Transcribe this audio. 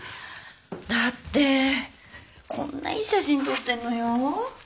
だってこんないい写真撮ってんのよ。